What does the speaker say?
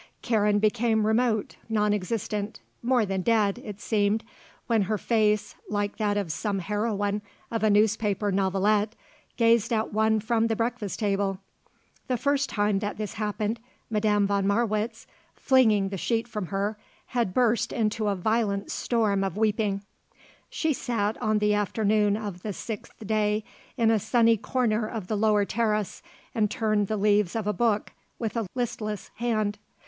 Karen became remote, non existent, more than dead, it seemed, when her face, like that of some heroine of a newspaper novelette, gazed at one from the breakfast table. The first time that this happened, Madame von Marwitz, flinging the sheet from her, had burst into a violent storm of weeping. She sat, on the afternoon of the sixth day, in a sunny corner of the lower terrace and turned the leaves of a book with a listless hand.